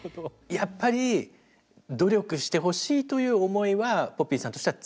やっぱり努力してほしいという思いはポピーさんとしては強い？